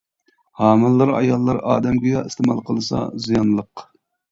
ھامىلىدار ئاياللار ئادەمگىياھ ئىستېمال قىلسا زىيانلىق.